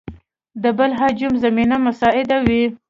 د بل هجوم زمینه مساعد وي.